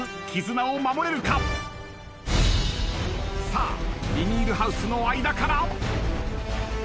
さあビニールハウスの間から。